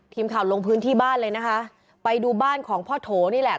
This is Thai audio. ทีมข่าวลงพื้นที่บ้านเลยนะคะไปดูบ้านของพ่อโถนี่แหละ